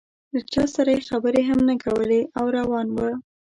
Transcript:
له چا سره یې خبرې هم نه کولې او روان و.